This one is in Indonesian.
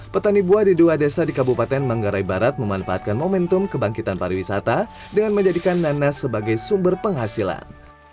petani buah di dua desa di kabupaten manggarai barat memanfaatkan momentum kebangkitan pariwisata dengan menjadikan nanas sebagai sumber penghasilan